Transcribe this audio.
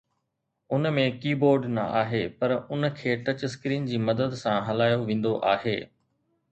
ان ۾ keyboard نه آهي پر ان کي ٽچ اسڪرين جي مدد سان هلايو ويندو آهي